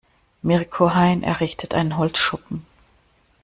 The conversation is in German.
Mirko Hein errichtet einen Holzschuppen.